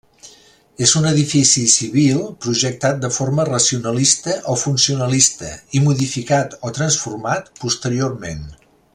És un edifici civil projectat de forma racionalista o funcionalista, i modificat o transformat posteriorment.